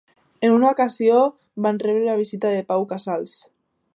En una ocasió van rebre la visita de Pau Casals.